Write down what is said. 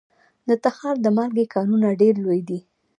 د تخار د مالګې کانونه ډیر لوی دي